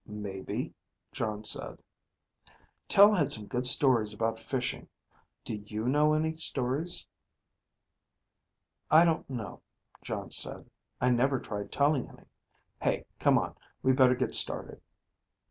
"Maybe," Jon said. "Tel had some good stories about fishing. Do you know any stories?" "I don't know," Jon said. "I never tried telling any. Hey, come on. We better get started."